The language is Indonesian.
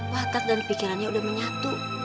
wakat dan pikirannya udah menyatu